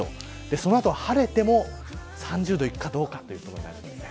その後、晴れても３０度いくかどうかということになりそうです。